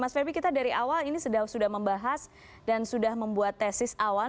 mas feby kita dari awal ini sudah membahas dan sudah membuat tesis awan